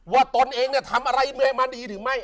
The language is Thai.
ว่าตนเองทำอะไรมาดีหรือไม่